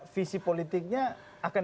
visi politiknya akan